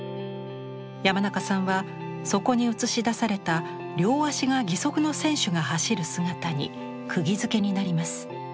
山中さんはそこに映し出された両足が義足の選手が走る姿にくぎづけになります。